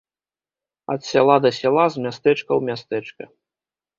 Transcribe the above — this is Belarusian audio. Ад сяла да сяла, з мястэчка ў мястэчка.